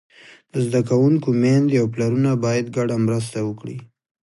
د زده کوونکو میندې او پلرونه باید ګډه مرسته وکړي.